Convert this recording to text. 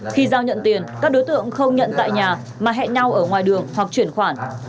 khi giao nhận tiền các đối tượng không nhận tại nhà mà hẹn nhau ở ngoài đường hoặc chuyển khoản